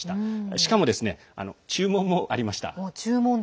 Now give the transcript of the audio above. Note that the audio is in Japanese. しかも、注文もありました。